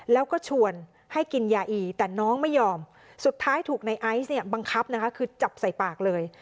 แล้วก็ชวนให้กินยาอีแต่น้องไม่ยอมสุดท้ายถูกในไอซ์เนี่ยบังคับนะคะคือจับใส่ปากเลย